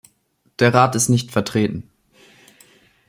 Der Rat ist nicht vertreten.